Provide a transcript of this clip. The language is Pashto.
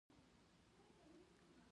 ټپي ته باید بښنه ورکړو.